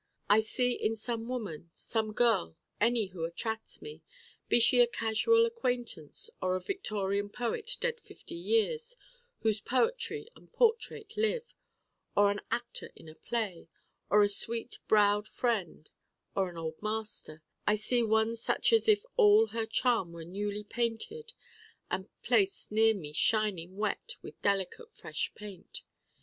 I see in some woman, some girl, any who attracts me be she a casual acquaintance, or a Victorian poet dead fifty years whose poetry and portrait live, or an actor in a play, or a sweet browed friend, or an Old Master I see one such as if all her charm were newly painted and placed near me shining wet with delicate fresh paint.